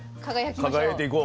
輝いていこう。